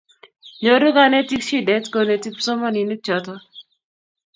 nyoru kanetik shidet koneti kipsomaninik choto